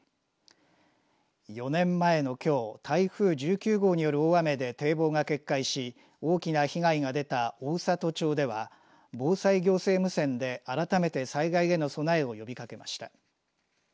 ４年前のきょう台風１９号による大雨で堤防が決壊し大きな被害が出た大郷町では防災行政無線で改めて災害への備えを呼びかけました。